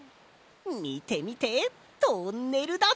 みてみてトンネルだぞ！